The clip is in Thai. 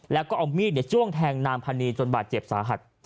แล้วก็เอามีดจ้วงแทงนางพันนีจนบาดเจ็บสาหัส